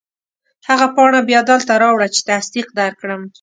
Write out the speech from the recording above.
هغه پاڼه بیا دلته راوړه چې تصدیق درکړم.